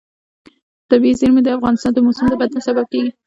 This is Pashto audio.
طبیعي زیرمې د افغانستان د موسم د بدلون سبب کېږي.